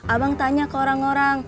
abang tanya ke orang orang